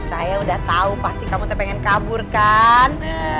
saya udah tau pasti kamu pengen kaburkan